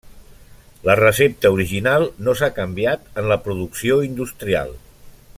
La recepta original no s'ha canviat en la producció industrial.